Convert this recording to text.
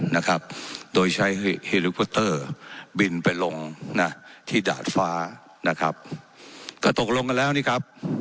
นะครับโดยใช้บินไปลงนะที่ดาดฟ้านะครับก็ตกลงกันแล้วนี่ครับ